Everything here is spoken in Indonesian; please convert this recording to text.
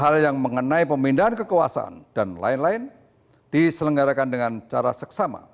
hal yang mengenai pemindahan kekuasaan dan lain lain diselenggarakan dengan cara seksama